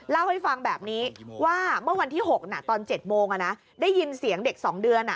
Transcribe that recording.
เล่าให้ฟังแบบนี้ว่าเมื่อวันที่๖ตอน๗โมงได้ยินเสียงเด็ก๒เดือน